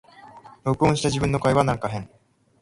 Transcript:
録音した自分の声はなんか変